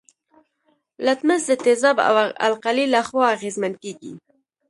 لتمس د تیزاب او القلي له خوا اغیزمن کیږي.